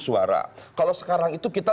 suara kalau sekarang itu kita